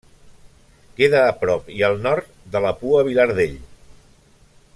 Queda a prop i al nord de la Poua Vilardell.